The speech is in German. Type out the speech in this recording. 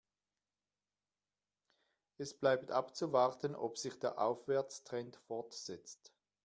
Es bleibt abzuwarten, ob sich der Aufwärtstrend fortsetzt.